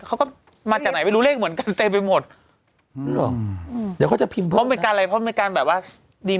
เขาก็มาจากไหนไม่รู้เลขเหมือนกันเต็มไปหมด